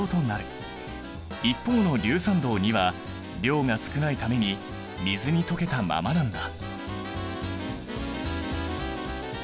一方の硫酸銅は量が少ないために水に溶けたままなんだ。